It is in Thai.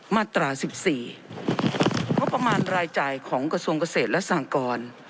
มาตรา๑๔งบประมาณรายจ่ายของกระทรวงเกษตรและสหกร